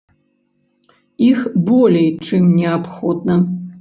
Іх болей, чым неабходна.